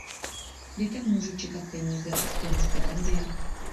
Kdy tak můžu čekat peníze z toho stipendia?